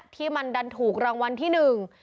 ที่มันดันถูกรางวัลที่หนึ่ง